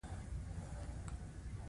انګرېزان د پاچا په درخواستونو ښه خبر وو.